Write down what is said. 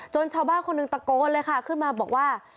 ชาวบ้านคนหนึ่งตะโกนเลยค่ะขึ้นมาบอกว่า